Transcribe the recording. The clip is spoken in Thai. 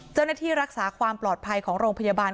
เจ้าหน้าที่รักษาความปลอดภัยของโรงพยาบาล